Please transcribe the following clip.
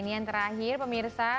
oke ini yang terakhir pemirsa